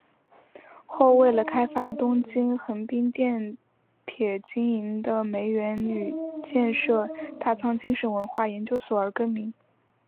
后为了开发东京横滨电铁经营的梅园与建设大仓精神文化研究所而更名。